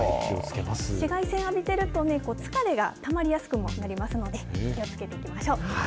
紫外線浴びてるとね、疲れがたまりやすくもなりますので、気をつけていきましょう。